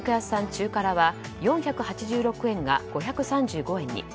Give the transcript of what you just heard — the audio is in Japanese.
中辛は４８６円が５３５円に。